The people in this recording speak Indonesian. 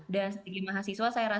dan sebagai mahasiswa saya rasa